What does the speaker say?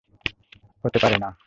হতে পারে না!